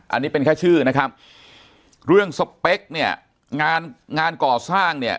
อันนี้เป็นแค่ชื่อนะครับเรื่องสเปคเนี่ยงานงานก่อสร้างเนี่ย